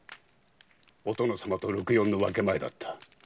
お殿様と六・四の分け前だった。